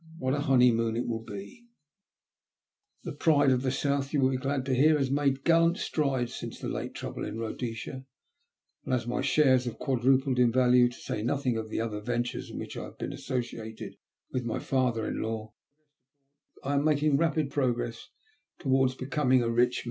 What a honeymoon it will be !" The Pride of the South," you will be glad to hear, has made gallant strides since the late trouble in Bhodesia, and as my shares have quadrupled in value, to say nothing of the other ventures in which I have been associated with my father in law, I am making rapid progress towards becoming a rich man.